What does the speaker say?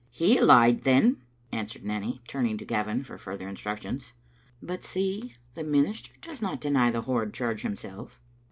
"He lied, then," answered Nanny turning to Gavin for further instructions. "But, see, the minister does not deny the horrid charge himself."